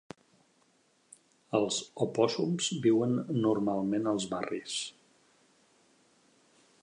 Els opòssums viuen normalment als barris.